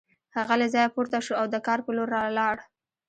هغه له ځایه پورته شو او د کار په لور لاړ